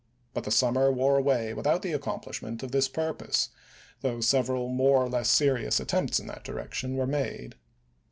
But the summer wore away without the accomplishment of this purpose, though several more or less serious at tempts in that direction were made.